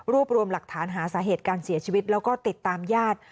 รวมรวมหลักฐานหาสาเหตุการเสียชีวิตแล้วก็ติดตามญาติ